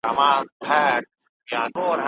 تغذیې کارپوهان هګۍ ګټورې بولي.